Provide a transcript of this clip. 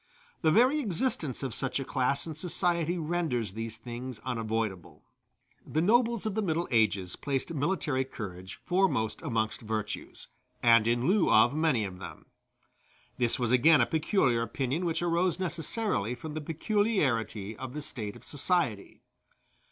The very existence of such a class in society renders these things unavoidable. The nobles of the Middle Ages placed military courage foremost amongst virtues, and in lieu of many of them. This was again a peculiar opinion which arose necessarily from the peculiarity of the state of society.